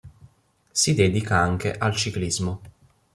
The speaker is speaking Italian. Si dedica anche al ciclismo.